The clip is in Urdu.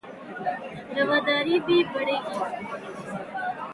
رواداری بھی بڑھے گی